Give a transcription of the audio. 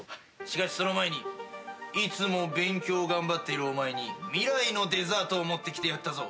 しかしその前にいつも勉強を頑張っているお前に未来のデザートを持ってきてやったぞ。